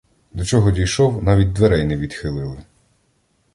До чого дійшов, навіть дверей не відхилили!